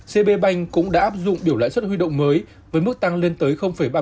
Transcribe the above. cb banh cũng đã áp dụng biểu lãi suất huy động mới với mức tăng lên tới ba mươi